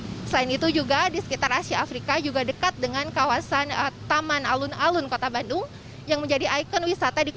selain itu juga di sekitar asia afrika juga bisa menikmati